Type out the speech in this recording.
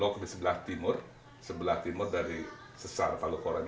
hanya sekarang adalah dilihat teruk falan